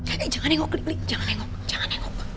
eh jangan nengok li jangan nengok jangan nengok